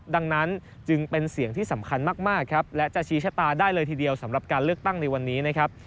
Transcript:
ดังนั้นจึงเป็นเสียงที่สำคัญมากครับและจะชี้ชะตาได้เลยทีเดียวสำหรับการเลือกตั้งในวันนี้นะครับ